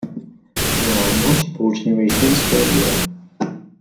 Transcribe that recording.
There are multiple generations per year.